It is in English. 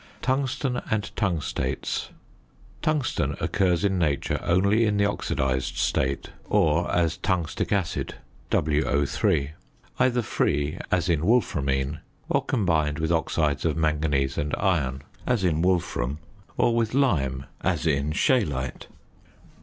TUNGSTEN AND TUNGSTATES. Tungsten occurs in nature only in the oxidised state, or as tungstic acid (WO_), either free, as in wolframine, or combined with oxides of manganese and iron, as in wolfram, or with lime, as in scheelite.